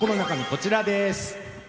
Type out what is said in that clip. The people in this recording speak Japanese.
こちらです。